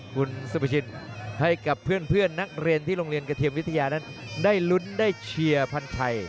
คุณสุภาชินให้กับเพื่อนนักเรียนที่โรงเรียนกระเทียมวิทยานั้นได้ลุ้นได้เชียร์พันชัย